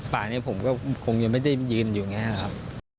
ป่านี้ผมก็คงยังไม่ได้ยืนอยู่อย่างนี้นะครับ